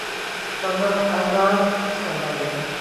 شپږم: ازاده سوداګري.